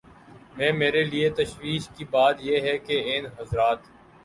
میں میرے لیے تشویش کی بات یہ ہے کہ ان حضرات